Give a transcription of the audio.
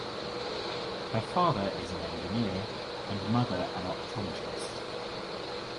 Her father is an engineer and mother an optometrist.